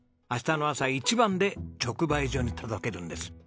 明日の朝一番で直売所に届けるんです。